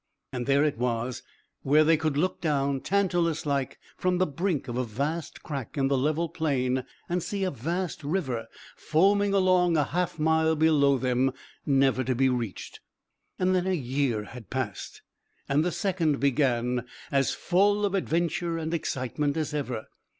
And there it was where they could look down, Tantalus like, from the brink of a vast crack in the level plain and see a vast river foaming along half a mile below them, never to be reached. And then a year had passed, and the second began, as full of adventure and excitement as ever.